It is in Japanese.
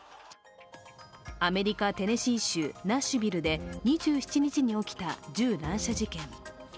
アメリカ・テネシー州ナッシュビルで２７日に起きた銃乱射事件。